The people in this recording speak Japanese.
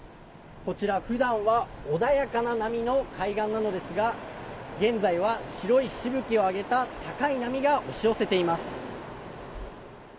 こちら、普段は穏やかな波の海岸なのですが現在は白いしぶきを上げた高い波が押し寄せています。